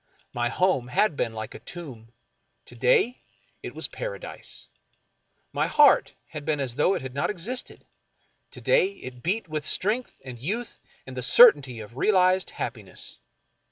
My home had been like a tomb ; to day it was Paradise. My heart had been as though it had not existed ; to day it beat with strength and youth and the certainty of realized hap piness.